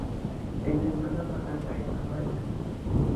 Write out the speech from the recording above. একদিনের জন্যও বাগানে বাহির হই নাই।